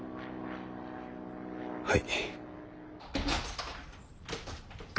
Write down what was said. はい。